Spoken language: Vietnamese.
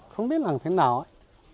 không biết làm thế nào ấy